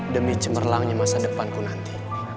demi cemerlangnya masa depanku nanti